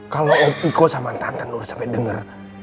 kalau om iko sama tante nur sampai denger